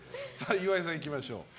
岩井さん、いきましょう。